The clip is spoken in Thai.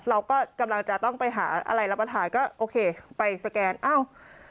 เราก็กำลังจะต้องไปหาอะไรรับประทานก็โอเคไปสแกนอ้าว